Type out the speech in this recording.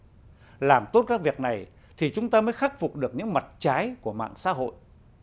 nhưng làm tốt các việc này thì chúng ta mới khắc phục được những mặt trái của mạng xã hội